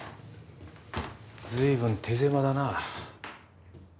随分手狭だな。